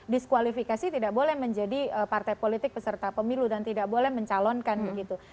diskualifikasi tidak boleh menjadi partai politik peserta pemilu dan tidak boleh mencalonkan begitu